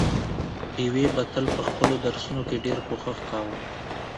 ډېوې به تل په خپلو درسونو کې ډېر کوښښ کاوه،